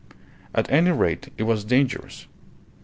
At any rate, it was dangerous.